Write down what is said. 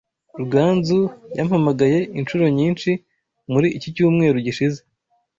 Ruganzu yampamagaye inshuro nyinshi muri iki cyumweru gishize.